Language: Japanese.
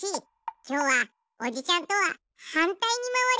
きょうはおじちゃんとははんたいにまわりたいんだけど！